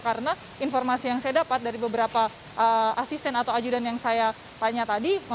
karena informasi yang saya dapat dari beberapa asisten atau ajudan yang saya tanya tadi